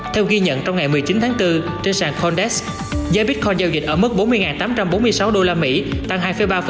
theo ghi nhận trong ngày một mươi chín tháng bốn trên sàn condesk giá bitcoin giao dịch ở mức bốn mươi tám trăm bốn mươi sáu đô la mỹ tăng hai ba